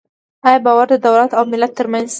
آیا باور د دولت او ملت ترمنځ شته؟